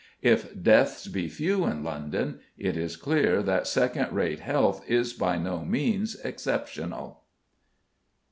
If deaths be few in London, it is clear that second rate health is by no means exceptional.